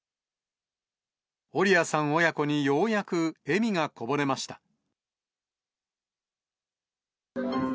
オリアさん親子にようやく笑みがこぼれました。